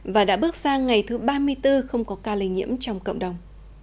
và đã bước sang ngày thứ ba mươi bốn không có ca lây nhiễm trong cộng đồng